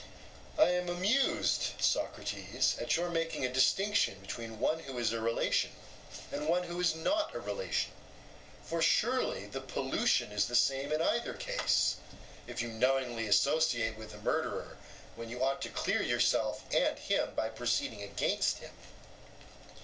EUTHYPHRO: I am amused, Socrates, at your making a distinction between one who is a relation and one who is not a relation; for surely the pollution is the same in either case, if you knowingly associate with the murderer when you ought to clear yourself and him by proceeding against him.